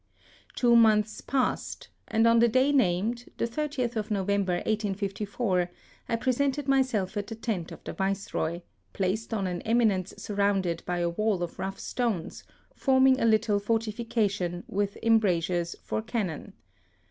Two months passed, and on the day named, the 30th of November 1854, I pre sented myself at the tent of the Viceroy, placed on an eminence surrounded by a wall of rough stones, forming a little fortifi cation with embrasures for cannon.